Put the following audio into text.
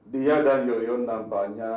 dia dan yoyun nampaknya